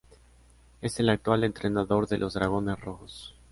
Es el actual entrenador de los Dragones Rojos.